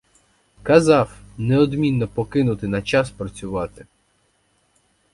Казав — неодмінно покинути на час працювати.